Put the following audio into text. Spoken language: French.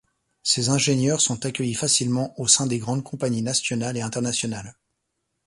Ses ingénieurs sont accueillis facilement au sein des grandes compagnies nationales et internationales.